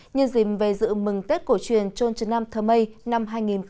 như dìm về dự mừng tết cổ truyền trôn trần nam thơ mây năm hai nghìn một mươi chín